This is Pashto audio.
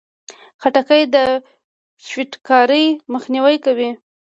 خټکی د فټکاري مخنیوی کوي.